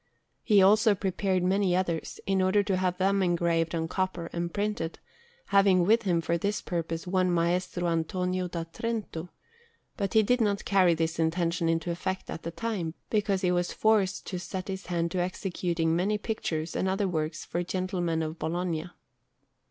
He also prepared many others, in order to have them engraved on copper and printed, having with him for this purpose one Maestro Antonio da Trento; but he did not carry this intention into effect at the time, because he was forced to set his hand to executing many pictures and other works for gentlemen of Bologna.